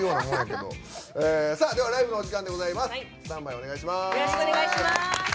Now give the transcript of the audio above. では、ライブのお時間でございます。